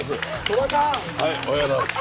おはようございます。